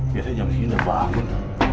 biasanya jam sini sudah bangun